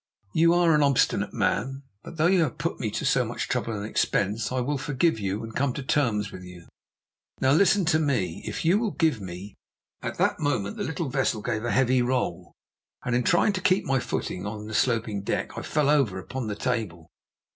'You are an obstinate man, but though you have put me to so much trouble and expense I will forgive you and come to terms with you. Now listen to me. If you will give me ' "At that moment the little vessel gave a heavy roll, and in trying to keep my footing on the sloping deck I fell over upon the table.